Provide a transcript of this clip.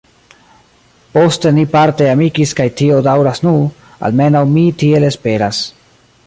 Poste ni parte amikis kaj tio daŭras nu, almenaŭ mi tiel esperas.